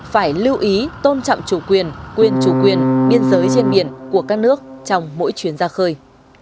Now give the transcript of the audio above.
phải lưu ý tôn trọng chủ quyền quyền chủ quyền biên giới trên biển của các nước trong mỗi chuyến ra khơi